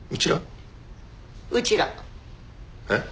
えっ？